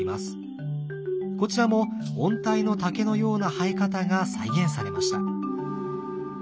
こちらも温帯の竹のような生え方が再現されました。